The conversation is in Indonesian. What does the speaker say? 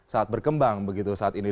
saat berkembang begitu saat ini